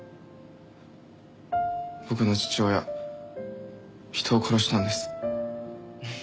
僕の父親人を殺したんです。